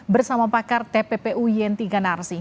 bersama pakar tppu yenti ganarsi